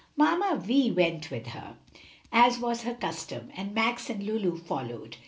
Mamma Vi went with her, as was her custom, and Max and Lulu followed.